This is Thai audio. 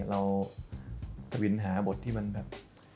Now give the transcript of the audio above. เราสวินหาบทที่มันแบบ